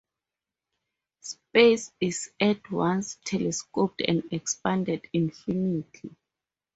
Space is at once telescoped and expanded infinitely.